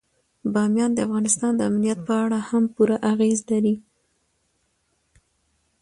بامیان د افغانستان د امنیت په اړه هم پوره اغېز لري.